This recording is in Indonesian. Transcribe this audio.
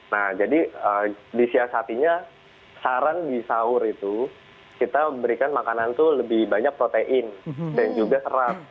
nah jadi disiasatinya saran di sahur itu kita berikan makanan itu lebih banyak protein dan juga serat